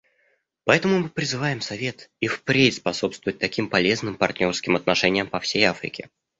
Поэтому мы призываем Совет и впредь способствовать таким полезным партнерским отношениям по всей Африке.